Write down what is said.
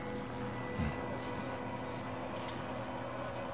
うん。